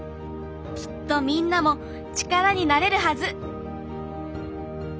きっとみんなも力になれるはず。